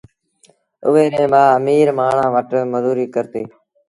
اُئي ريٚ مآ اميٚر مآڻهآݩ وٽ مزوريٚ ڪرتي